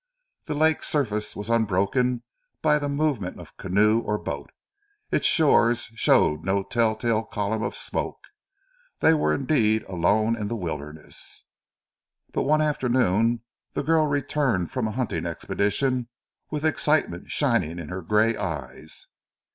The lake's surface was unbroken by the movement of canoe or boat; its shores showed no tell tale column of smoke. They were indeed alone in the wilderness. But one afternoon the girl returned from a hunting expedition with excitement shining in her grey eyes.